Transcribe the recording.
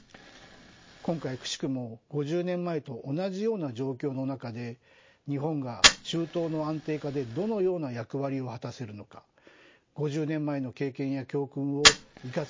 今回くしくも５０年前と同じような状況の中で日本が中東の安定化でどのような役割を果たせるのか５０年前の経験や教訓を生かす必要があると思います。